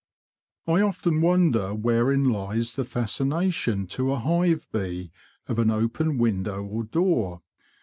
I often wonder wherein lies the fascination to a hive bee of an open window or door.